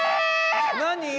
何？